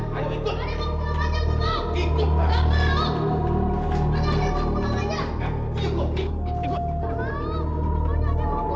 jangan mengusahakan jum'atku